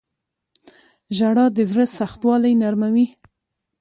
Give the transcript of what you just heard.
• ژړا د زړه سختوالی نرموي.